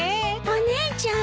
お姉ちゃん。